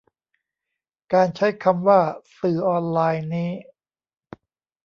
การใช้คำว่า "สื่อออนไลน์" นี้